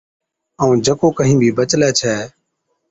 ائُون جڪو ڪهِين بِي بچلَي ڇَي